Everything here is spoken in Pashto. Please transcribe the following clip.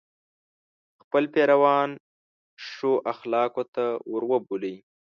خپل پیروان ښو اخلاقو ته وروبولي.